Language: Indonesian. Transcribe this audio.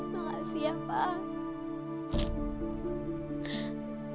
terima kasih ibu